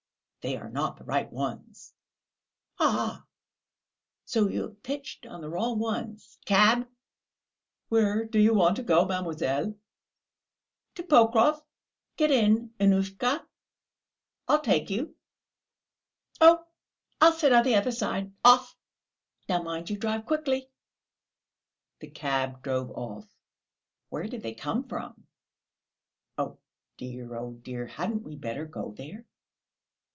"They are not the right ones!" "Aha, so you've pitched on the wrong ones! Cab!" "Where do you want to go, mademoiselle?" "To Pokrov. Get in, Annushka; I'll take you." "Oh, I'll sit on the other side; off! Now, mind you drive quickly." The cab drove off. "Where did they come from?" "Oh, dear, oh, dear! Hadn't we better go there?"